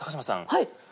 はい！